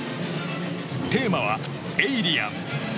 テーマは、エイリアン。